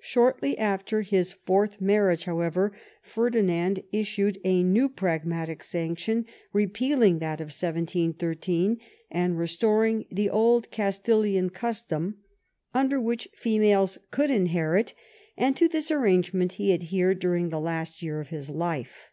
Shortly after his fourth marriage, however, Ferdinand issued a new Pragmatic Sanction repealing that of 1718, and restoring the old Castilian custom under which females THE QUADRUPLE ALLIANCE. 67 could iDfaerity and to this arrangement he adhered dnring the last year of his life.